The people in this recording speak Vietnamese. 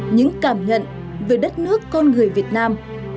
những cảm nhận về đất nước con người việt nam